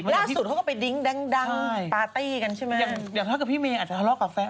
ร่าสุดเขาก็ไปดิ้งดังปาร์ตี้กันใช่มั้ย